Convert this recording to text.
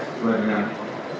semakin yang baik